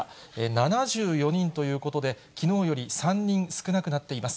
７４人ということで、きのうより３人少なくなっています。